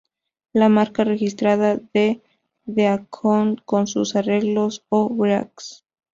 La marca registrada de Deacon son sus arreglos o "breaks".